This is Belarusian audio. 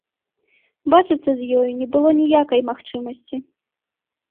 Бачыцца з ёю не было ніякай магчымасці.